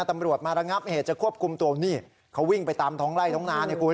ตำรวจมาระงับเหตุจะควบคุมตัวนี่เขาวิ่งไปตามท้องไล่ท้องนาเนี่ยคุณ